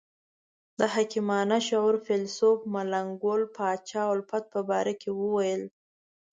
د حکیمانه شعور فیلسوف ملنګ ګل پاچا الفت په باره کې ویل.